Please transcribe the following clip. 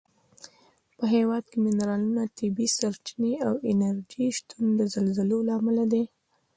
په هېواد کې منرالونه، طبیعي سرچینې او انرژي شتون د زلزلو له امله دی.